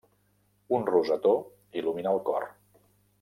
Un rosetó il·lumina el cor.